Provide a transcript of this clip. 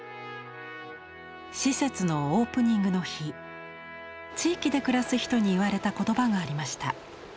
施設のオープニングの日地域で暮らす人に言われた言葉がありました。